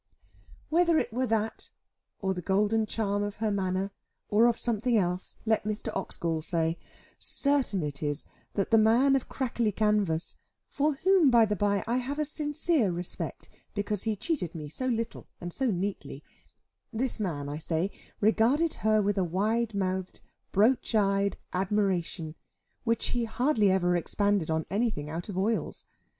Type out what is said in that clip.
Whether it were that, or the golden charm of her manner, or of something else, let Mr. Oxgall say; certain it is that the man of crackly canvas (for whom, by the bye, I have a sincere respect, because he cheated me so little and so neatly) this man, I say, regarded her with a wide mouthed, brooch eyed, admiration, which he hardly ever expended on anything out of oils.